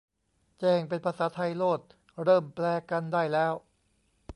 แจ้งเป็นภาษาไทยโลด เริ่มแปลกันได้แล้ว